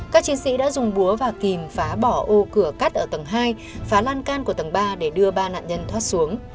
các chiến sĩ đã dùng búa và kìm phá bỏ ô cửa cắt ở tầng hai phá lan can của tầng ba để đưa ba nạn nhân thoát xuống